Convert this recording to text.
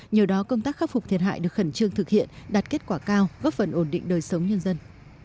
nhờ đó công tác khắc phục thiệt hại được khẩn trương thực hiện đạt kết quả cao góp phần ổn định đời sống nhân dân